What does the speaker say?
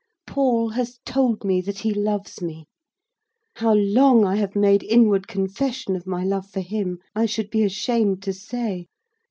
Paul has told me that he loves me. How long I have made inward confession of my love for him, I should be ashamed to say.